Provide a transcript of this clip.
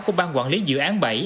của ban quản lý dự án bảy